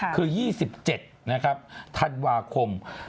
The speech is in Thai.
คือ๒๗ธันวาคม